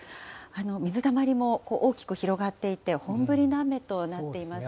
水たまりも大きく広がっていて、本降りの雨となっていますよね。